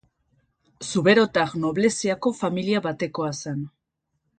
Zuberotar nobleziako familia batekoa zen.